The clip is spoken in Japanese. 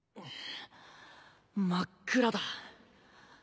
真っ暗だ。